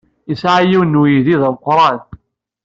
Yesɛa yiwen n uydi d ameqran.